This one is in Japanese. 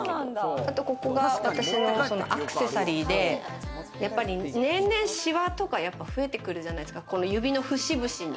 ここが、アクセサリーで年々シワとか増えてくるじゃないですか、指の節々に。